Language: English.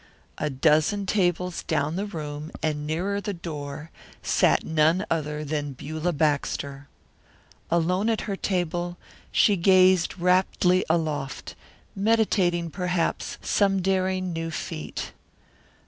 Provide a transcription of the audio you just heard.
A dozen tables down the room and nearer the door sat none other than Beulah Baxter. Alone at her table, she gazed raptly aloft, meditating perhaps some daring new feat.